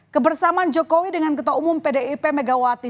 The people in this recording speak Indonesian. kebersamaan jokowi dengan ketua umum pdip megawati